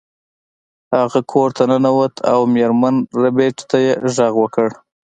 هغه کور ته ننوت او میرمن ربیټ ته یې غږ کړ